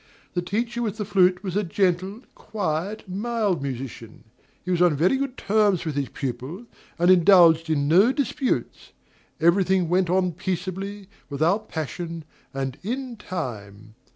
The teacher with the flute was a gentle, quiet, mild musician; he was on very good terms with his pupil, and indulged in no disputes; every thing went on peaceably, without passion, and "in time."